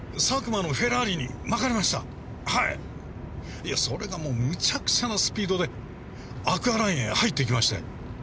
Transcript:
いやそれがもう無茶苦茶なスピードでアクアラインへ入っていきまして。